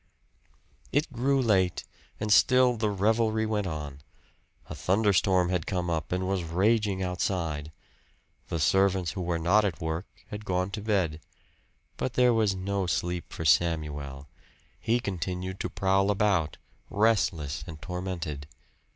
It grew late, and still the revelry went on. A thunderstorm had come up and was raging outside. The servants who were not at work, had gone to bed, but there was no sleep for Samuel; he continued to prowl about, restless and tormented.